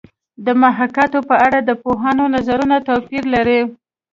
د محاکات په اړه د پوهانو نظرونه توپیر لري